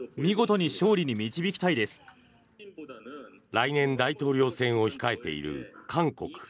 来年、大統領選を控えている韓国。